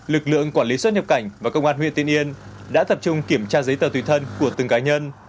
lực lượng quản lý xuất nhập cảnh và công an huyện tiên yên đã tập trung kiểm tra giấy tờ tùy thân của từng cá nhân